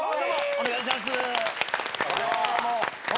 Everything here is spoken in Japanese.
お願いします。